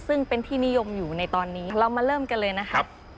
ซึ่งเป็นที่นิยมอยู่ในตอนนี้เรามาเริ่มกันเลยนะครับ